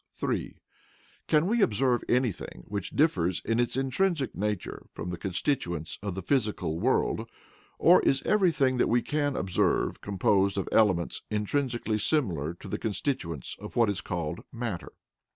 (3) Can we observe anything which differs in its intrinsic nature from the constituents of the physical world, or is everything that we can observe composed of elements intrinsically similar to the constituents of what is called matter?